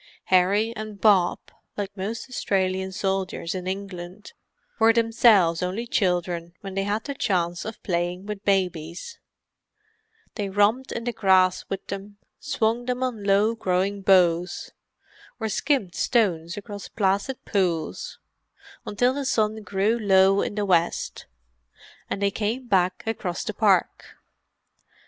Harry and Bob, like most Australian soldiers in England, were themselves only children when they had the chance of playing with babies; they romped in the grass with them, swung them on low growing boughs, or skimmed stones across placid pools, until the sun grew low in the west, and they came back across the park.